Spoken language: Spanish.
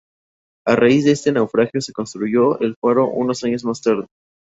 A raíz de este naufragio se construyó el faro unos años más tarde.